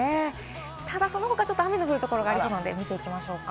ただその他、雨の降るところがありそうなので見ていきましょう。